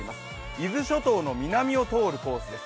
伊豆諸島の南を通るコースです。